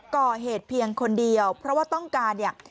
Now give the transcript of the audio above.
ก่อเหตุเพียงคนเดียวเพราะว่าต้องการเนี่ย